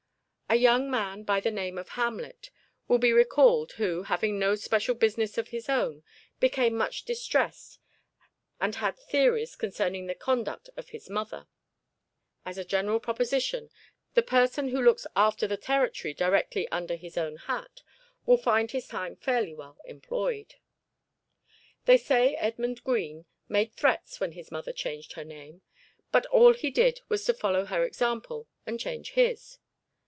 A young man by the name of Hamlet will be recalled who, having no special business of his own, became much distressed and had theories concerning the conduct of his mother. As a general proposition the person who looks after the territory directly under his own hat will find his time fairly well employed. They say Edmund Green made threats when his mother changed her name, but all he did was to follow her example and change his.